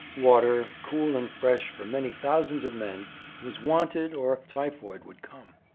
Water, cool and fresh for many thousands of men, was wanted or typhoid would come.